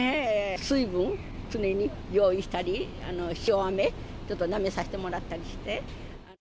水分、常に用意したり、塩あめちょっとなめさせてもらったりして。